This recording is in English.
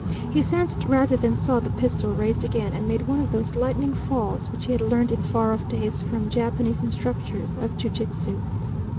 He sensed rather than saw the pistol raised again, and made one of those lightning falls which he had learnt in far off days from Japanese instructors of ju jitsu.